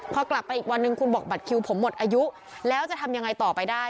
พอกลับไปอีกวันหนึ่งคุณบอกบัตรคิวผมหมดอายุแล้วจะทำยังไงต่อไปได้